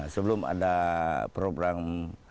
sebelum ada program